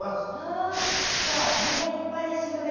あ！じゃあ実がいっぱい収穫できる。